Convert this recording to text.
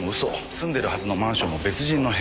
住んでるはずのマンションも別人の部屋。